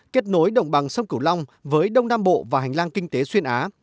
kết nối đồng bằng sông cửu long với đông nam bộ và hành lang kinh tế xuyên á